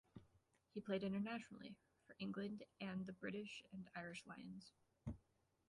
He played internationally for England and the British and Irish Lions.